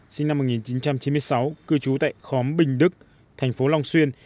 sinh năm một nghìn chín trăm chín mươi sáu cư trú tại khóm bình đức tp long xuyên